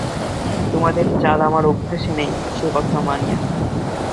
তোমাদের চাল আমার অভ্যেস নেই সে কথা মানি।